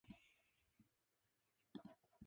インサニティ・ザ・ライドは、真に心を揺さぶる体験です